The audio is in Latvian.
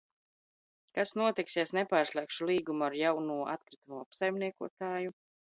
Kas notiks, ja es nepārslēgšu līgumu ar jauno atkritumu apsaimniekotāju?